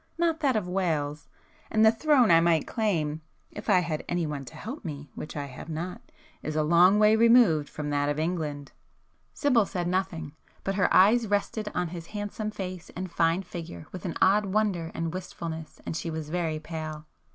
not that of Wales,—and the throne I might claim (if I had anyone to help me, which I have not) is a long way removed from that of England!" Sibyl said nothing,—but her eyes rested on his handsome face and fine figure with an odd wonder and wistfulness, and she was very pale.